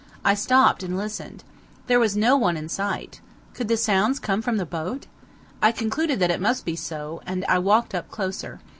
I stopped and listened. There was no one in sight. Could the sounds come from the boat? I concluded that it must be so, and I walked up closer.